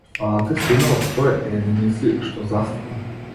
Фала ти, сине, од сто едини си што застана.